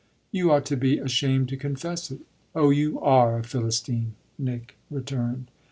"You ought to be ashamed to confess it." "Oh you are a Philistine!" Nick returned.